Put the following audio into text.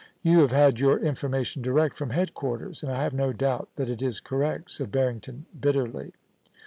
You have had your information direct from head quarters, and I have no doubt that it is correct,' said Barrington, bitterly.